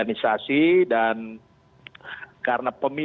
ini adalah dinamika organisasi